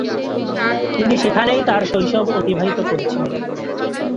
তিনি সেখানেই তার শৈশব অতিবাহিত করেছিলেন।